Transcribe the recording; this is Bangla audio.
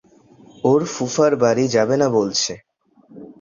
ওর ফুফার বাড়ি যাবে না বলছে।